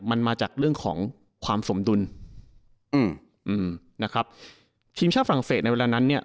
มันมาจากเรื่องของความสมดุลอืมอืมนะครับทีมชาติฝรั่งเศสในเวลานั้นเนี่ย